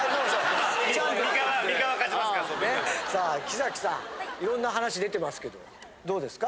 さあ木さんいろんな話出てますけどどうですか？